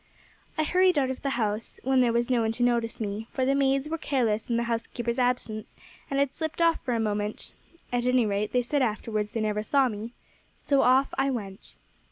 I hurried out of the house, when there was no one to notice me, for the maids were careless in the housekeeper's absence, and had slipped off for the moment at any rate, they said afterward they never saw me; so off I went.